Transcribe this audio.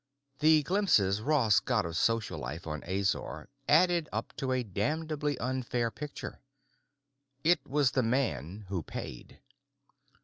The glimpses Ross got of social life on Azor added up to a damnably unfair picture. It was the man who paid.